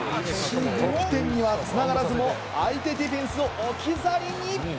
得点には繋がらずも、相手ディフェンスを置き去りに。